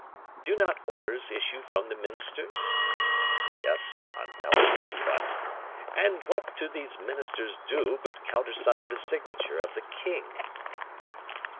"Do not orders issue from the ministers?" "Yes, undoubtedly; but " "And what to these ministers do but countersign the signature of the king?"